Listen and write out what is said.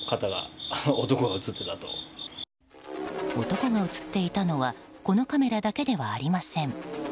男が映っていたのはこのカメラだけではありません。